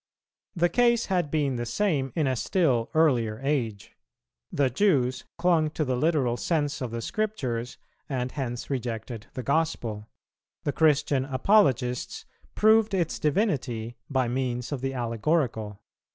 The case had been the same in a still earlier age; the Jews clung to the literal sense of the Scriptures and hence rejected the Gospel; the Christian Apologists proved its divinity by means of the allegorical.